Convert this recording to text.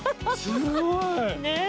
すごい！ねぇ。